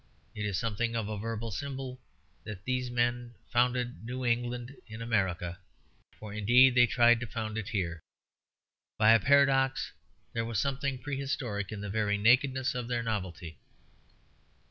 It is something of a verbal symbol that these men founded New England in America, for indeed they tried to found it here. By a paradox, there was something prehistoric in the very nakedness of their novelty.